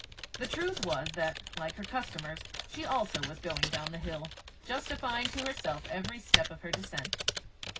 The truth was that, like her customers, she also was going down the hill, justifying to herself every step of her descent.